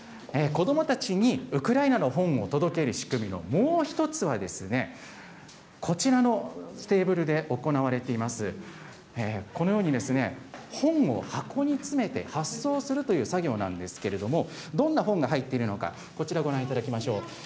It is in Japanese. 子どもたちにウクライナの本を届ける仕組みのもう一つは、こちらのテーブルで行われています、このように本を箱に詰めて発送するという作業なんですけれども、どんな本が入っているのか、こちらご覧いただきましょう。